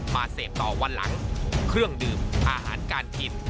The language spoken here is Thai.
มาเสพต่อวันหลังเครื่องดื่มอาหารการกิน